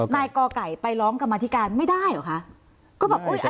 ก่อไก่ไปร้องกรรมธิการไม่ได้เหรอคะ